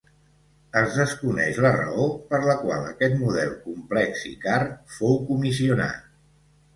Es desconeix la raó per la qual aquest model complex i car fou comissionat.